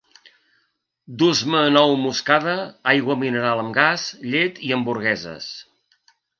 Dus-me nou moscada, aigua mineral amb gas, llet i hamburgueses